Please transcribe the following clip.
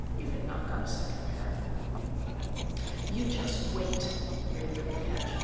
You had not got a second pair!" "You just wait!" raved old Ketch.